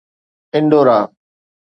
Andaura